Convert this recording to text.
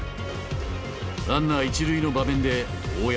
ランナー１塁の場面で大山。